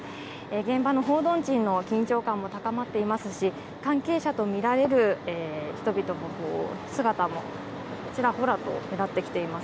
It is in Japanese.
現場の報道陣の緊張感も高まっていますし関係者とみられる人々の姿もちらほらと目立ってきています。